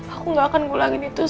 aku gak akan ngulangin itu